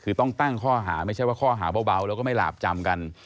คือต้องตั้งข้อหาไม่ใช่ว่าข้อหาเบาแล้วก็ไม่หลาบจำกัน